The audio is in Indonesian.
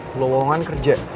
lo lawangan kerja